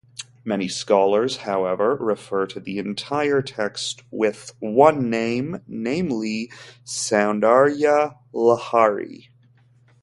Many scholars, however, refer to the entire text with one name, namely, Soundarya Lahari.